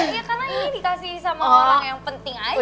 iya karena ini dikasih sama orang yang penting aja